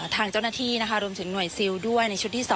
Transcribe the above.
ทางเจ้าหน้าที่นะคะรวมถึงหน่วยซิลด้วยในชุดที่๓